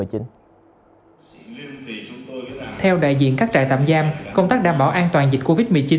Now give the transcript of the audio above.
theo đại diện các trại tạm giam công tác đảm bảo an toàn dịch covid một mươi chín